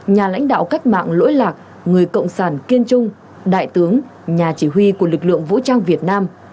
nhà lãnh đạo cách mạng lỗi lạc người cộng sản kiên trung đại tướng nhà chỉ huy của lực lượng vũ trang việt nam